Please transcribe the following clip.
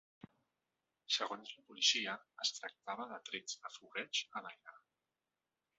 Segons la policia es tractava de trets de fogueig a l’aire.